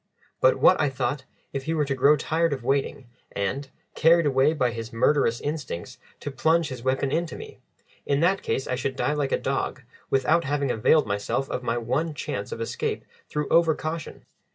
But what, I thought, if he were to grow tired of waiting, and, carried away by his murderous instincts, to plunge his weapon into me? In that case I should die like a dog, without having availed myself of my one chance of escape through over caution.